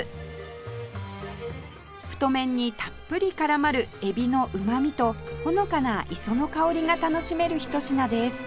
太麺にたっぷり絡まるエビのうまみとほのかな磯の香りが楽しめる一品です